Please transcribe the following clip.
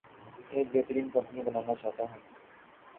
ایک بہترین کمپنی بنانا چاہتا ہوں